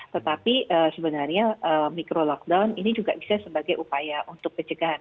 tetapi sebenarnya mikro lockdown ini juga bisa sebagai upaya untuk pencegahan